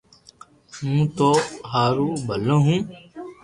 ھون ٿو ھارون ڀلو ھون